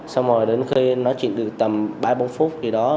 xong rồi đến khi nói chuyện được tầm ba bốn phút gì đó